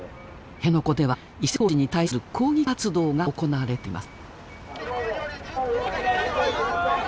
辺野古では移設工事に対する抗議活動が行われています。